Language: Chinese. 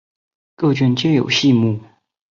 各卷皆有细目。